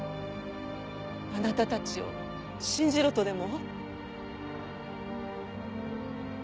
あなたたちを信じろとでも？